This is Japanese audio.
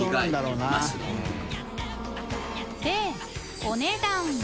磴お値段は？